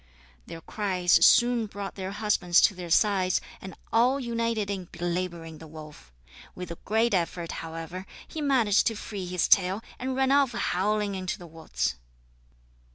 Their cries soon brought their husbands to their sides, and all united in belabouring the wolf. With a great effort, however, he managed to free his tail, and ran off howling into the woods.